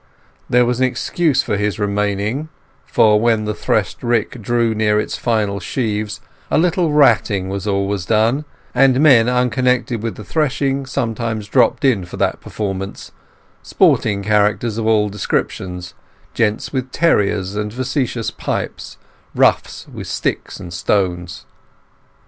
There was an excuse for his remaining, for when the threshed rick drew near its final sheaves a little ratting was always done, and men unconnected with the threshing sometimes dropped in for that performance—sporting characters of all descriptions, gents with terriers and facetious pipes, roughs with sticks and stones.